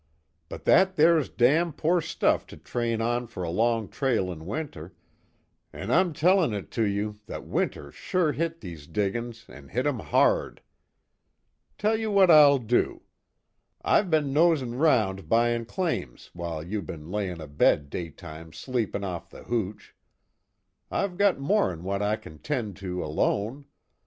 But that there's damn poor stuff to train on for a long trail in winter an' I'm tellin' it to you that winter's sure hit these diggin's an' hit 'em hard. Tell you what I'll do. I've be'n nosin' 'round buyin' claims while you be'n layin' abed daytimes sleepin' off the hooch. I've got more'n what I kin 'tend to alone.